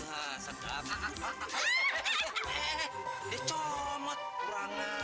aku mau pulang